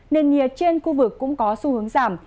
nền nhiệt trên khu vực cũng có xu hướng giảm